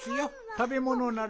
たべものなら。